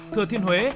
thừa thiên huế